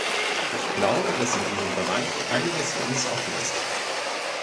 Ich glaube, dass in diesem Bereich einiges für uns offen ist.